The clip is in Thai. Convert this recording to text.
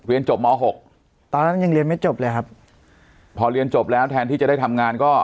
จบมหกตอนนั้นยังเรียนไม่จบเลยครับพอเรียนจบแล้วแทนที่จะได้ทำงานก็